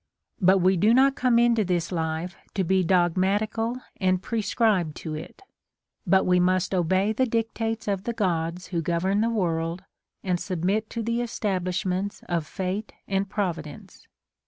But we do not come into this life to be dogmatical and prescribe to it ; but we must obey the dictates of the Gods who govern the world, and submit to the establishments of Fate and Providence.